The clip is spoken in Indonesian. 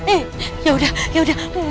eh yaudah yaudah